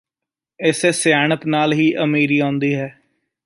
ਇਸੇ ਸਿਆਣਪ ਨਾਲ ਹੀ ਅਮੀਰੀ ਆਉਂਦੀ ਹੈ